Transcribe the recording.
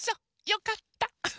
よかった。